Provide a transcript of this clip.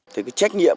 thì cái trách nhiệm